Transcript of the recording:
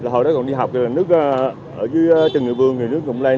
hồi đó còn đi học nước ở dưới trần người vương người nước cũng lên